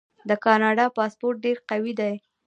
د کاناډا پاسپورت ډیر قوي دی.